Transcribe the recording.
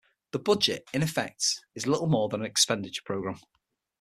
The budget, in effect, is little more than an expenditure programme.